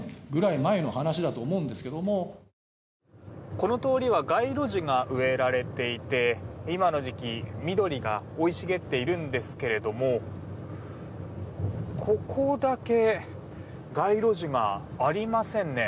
この通りは街路樹が植えられていて今の時期、緑が生い茂っているんですけれどもここだけ街路樹がありませんね。